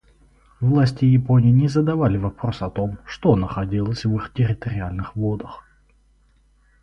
Власти Японии не задавали вопрос о том, что находилось в их территориальных водах.